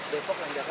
depok dan jakarta